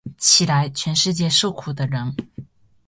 起来，全世界受苦的人！